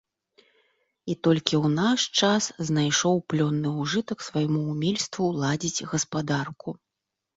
І толькі ў наш час знайшоў плённы ўжытак свайму ўмельству ладзіць гаспадарку.